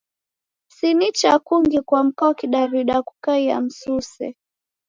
Si nicha kungi kwa mka wa Kidaw'ida kukaia msuse.